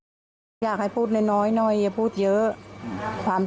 ยิ่งที่เข้าดูข้าวละแม่ก็ร้องไห้ไปกับเขานะ